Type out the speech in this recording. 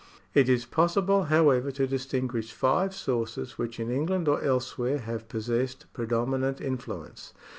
It is possible, however, to distinguish five sources which in England or elsewhere have possessed predominant influence.